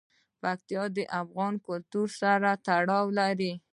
پکتیا د افغان کلتور سره تړاو لري.